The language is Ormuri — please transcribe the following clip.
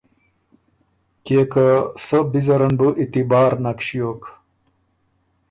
کيې که سۀ بی زره ن بُو اتبار نک ݭیوک۔